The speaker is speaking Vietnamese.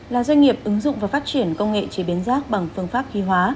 là doanh nghiệp ứng dụng và phát triển công nghệ chế biến rác bằng phương pháp khí hóa